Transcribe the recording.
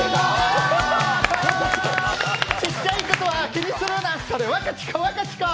ちっちゃいことは気にするな、それワカチコワカチコー！